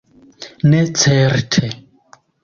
Ne certe.